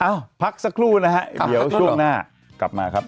พักสักครู่นะฮะเดี๋ยวช่วงหน้ากลับมาครับ